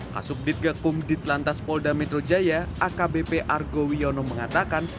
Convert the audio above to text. kasubdit gakum ditlantas polda metro jaya akbp argo wiono mengatakan